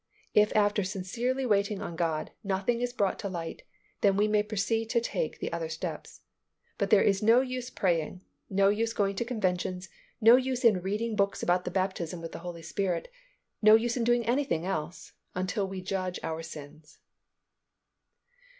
If after sincerely waiting on God, nothing is brought to light, then we may proceed to take the other steps. But there is no use praying, no use going to conventions, no use in reading books about the baptism with the Holy Spirit, no use in doing anything else, until we judge our sins.